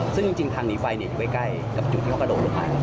ซึ่งจริงทางหนีไฟอยู่ใกล้กับจุดที่เขากระโดดลงไป